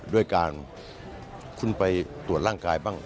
ด้วยการคุณไปตรวจร่างกายบ้าง